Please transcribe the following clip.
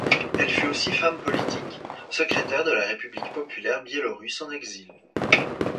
Elle fut aussi femme politique, secrétaire de la République populaire biélorusse en exil.